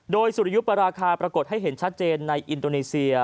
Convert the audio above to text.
โดยสุริยุปราคาปรากฏให้เห็นชัดเจนในอินโดนีเซีย